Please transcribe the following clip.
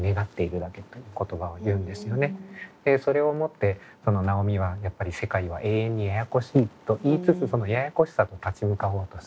それをもって尚美はやっぱり世界は永遠にややこしいと言いつつそのややこしさと立ち向かおうとする。